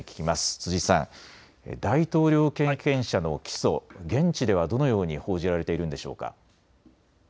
辻さん、大統領経験者の起訴、現地ではどのように報じられているんでしょうか。